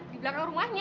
di belakang rumahnya